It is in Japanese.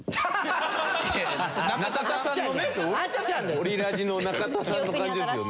オリラジの中田さんの感じですよね。